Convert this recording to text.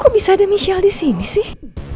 kok bisa ada michelle disini sih